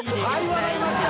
笑いました。